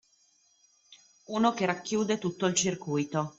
Uno che racchiude tutto il circuito